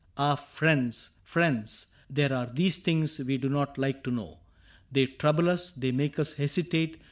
— Ah ! friends, friends, There are these things we do not like to know r They trouble us, they make us hesitate.